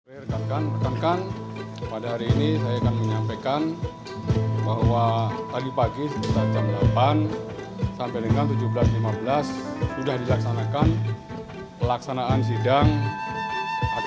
saya rekan rekan pada hari ini saya akan menyampaikan bahwa pagi pagi sekitar jam delapan sampai dengan tujuh belas lima belas sudah dilaksanakan pelaksanaan sidang ak